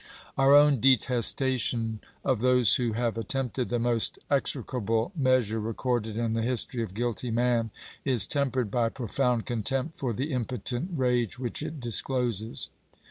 " Our own detestation of those who have attempted the most execrable measure recorded in the history of guilty man is tempered by profound contempt for the impotent rage which it discloses."